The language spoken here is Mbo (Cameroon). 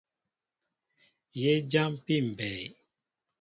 Yé jáámpí mbɛy.